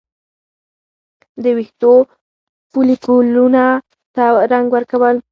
د ویښتو فولیکونو ته رنګ ورکول